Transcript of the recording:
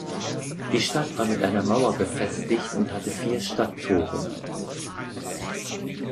Die Stadt war mit einer Mauer befestigt und hatte vier Stadttore.